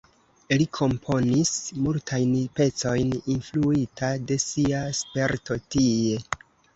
Li komponis multajn pecojn influita de sia sperto tie.